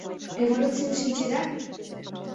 Революцийым шинчеда?